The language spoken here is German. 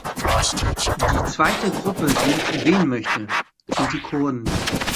Die zweite Gruppe, die ich erwähnen möchte, sind die Kurden.